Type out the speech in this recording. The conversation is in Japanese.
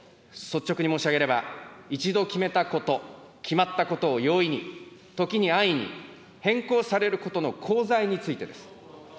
率直に申し上げれば一度決めたこと、決まったことを容易に、時に安易に、変更させることの功罪についてです。